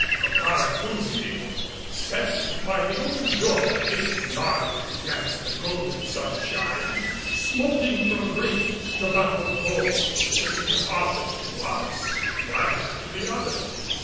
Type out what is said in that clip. The Paracousi sat by the open doorway, dark against the golden sunshine, smoking from a great tobacco bowl which he offered to us one after the other.